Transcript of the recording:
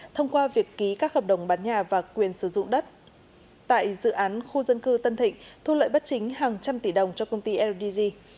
thông qua việc ký các hợp đồng bán nhà và quyền sử dụng đất tại dự án khu dân cư tân thịnh thu lợi bất chính hàng trăm tỷ đồng cho công ty ldg